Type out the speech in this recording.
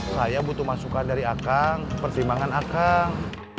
saya butuh masukan dari akang pertimbangan akang